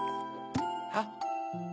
あっ。